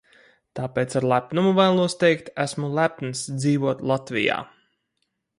Tāpēc ar lepnumu vēlos teikt: esmu lepns dzīvot Latvijā!